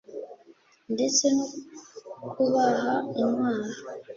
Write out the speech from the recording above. ndetse no kubaha intwaro